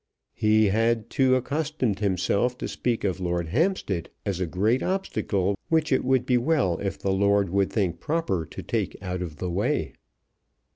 He had too accustomed himself to speak of Lord Hampstead as a great obstacle which it would be well if the Lord would think proper to take out of the way.